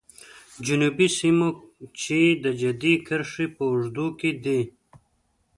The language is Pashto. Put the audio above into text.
جنوبي سیمو چې د جدي کرښې په اوږدو کې دي.